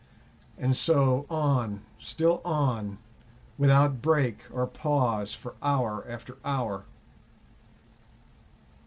And so on, still on, without break or pause for hour after hour.